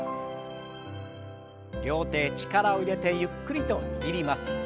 両手へ力を入れてゆっくりと握ります。